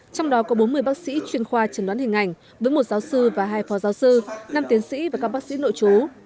trong đó có bốn mươi bác sĩ chuyên khoa chuẩn đoán hình ảnh với một giáo sư và hai phò giáo sư năm tiến sĩ và các bác sĩ nội chú